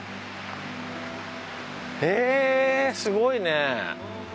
へえすごいね。